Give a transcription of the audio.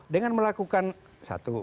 dengan melakukan satu